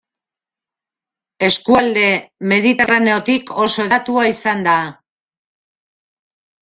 Eskualde mediterraneotik oso hedatua izan da.